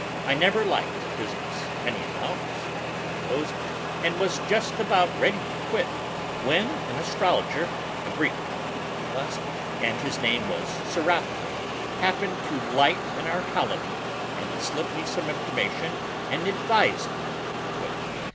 I never liked business anyhow, as far as that goes, and was just about ready to quit when an astrologer, a Greek fellow he was, and his name was Serapa, happened to light in our colony, and he slipped me some information and advised me to quit.